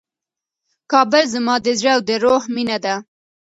کابل زما د زړه او د روح مېنه ده.